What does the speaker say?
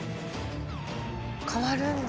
変わるんだ。